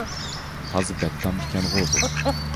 تازا بەتتام ئىكەنغۇ بۇ.